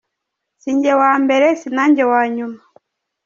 Si njye wa mbere si nanjye wa nyuma.